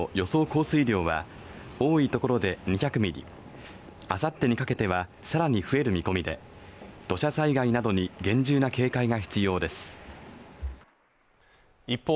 降水量は多いところで２００ミリあさってにかけてはさらに増える見込みで土砂災害などに厳重な警戒が必要です一方